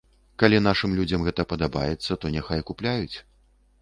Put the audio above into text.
Калі нашым людзям гэта падабаецца, то няхай купляюць.